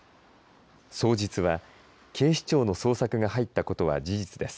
双日は警視庁の捜索が入ったことは事実です。